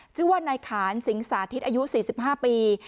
ซึ่งว่าในขานสิงสาธิตอายุ๔๕ปี